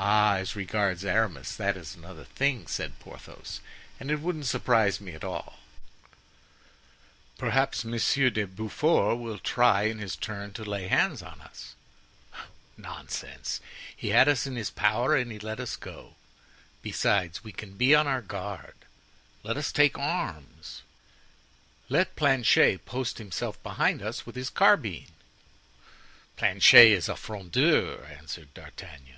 "Ah, as regards Aramis, that is another thing," said Porthos, "and it wouldn't surprise me at all." "Perhaps Monsieur de Beaufort will try, in his turn, to lay hands on us." "Nonsense! He had us in his power and he let us go. Besides we can be on our guard; let us take arms, let Planchet post himself behind us with his carbine." "Planchet is a Frondeur," answered D'Artagnan.